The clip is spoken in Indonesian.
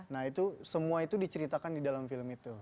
nah itu semua itu diceritakan di dalam film itu